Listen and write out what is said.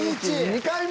２回目。